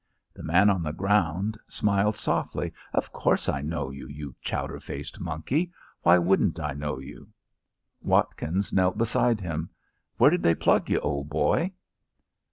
The man on the ground smiled softly. "Of course I know you, you chowder faced monkey. Why wouldn't I know you?" Watkins knelt beside him. "Where did they plug you, old boy?"